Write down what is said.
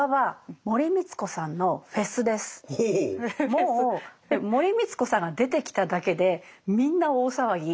もう森光子さんが出てきただけでみんな大騒ぎ。